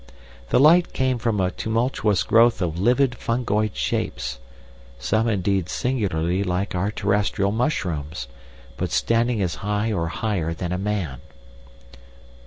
The light came from a tumultuous growth of livid fungoid shapes—some indeed singularly like our terrestrial mushrooms, but standing as high or higher than a man.